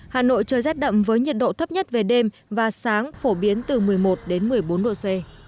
hà nội trời rét đậm với nhiệt độ thấp nhất về đêm và sáng phổ biến từ một mươi một đến một mươi bốn độ c